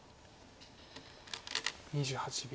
２８秒。